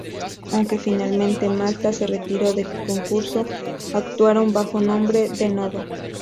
Aunque finalmente Malta se retiró del concurso, actuaron bajo el nombre The Nova.